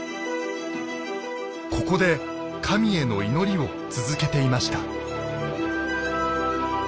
ここで神への祈りを続けていました。